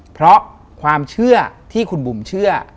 เพราะความเชื่อที่คุณบุ๋มเชื่อ